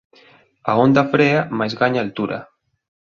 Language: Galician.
A onda frea mais gaña altura.